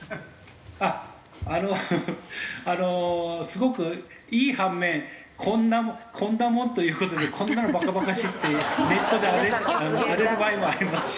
あっあのすごくいい反面こんなこんなもんという事でこんなのバカバカしいってネットで荒れる場合もありますし。